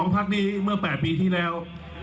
พักนี้เมื่อ๘ปีที่แล้ว